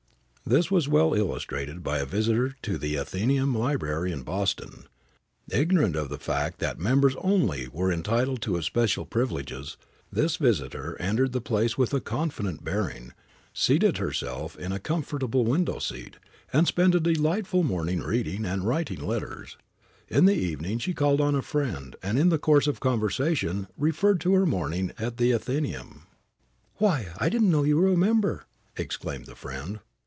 This was well illustrated by a visitor to the Athenæum Library in Boston. Ignorant of the fact that members only were entitled to its special privileges, this visitor entered the place with a confident bearing, seated herself in a comfortable window seat, and spent a delightful morning reading and writing letters. In the evening she called on a friend and in the course of conversation, referred to her morning at the Athenæum. "Why, I didn't know you were a member!" exclaimed the friend.